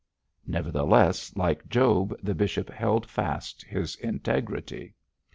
Nevertheless, like Job, the bishop held fast his integrity.